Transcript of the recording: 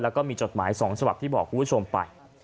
แล้วก็มีจดหมาย๒ฉบับที่บอกคุณผู้ชมไป